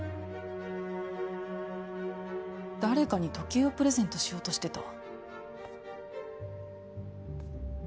誰かに時計をプレゼントしようとしてた？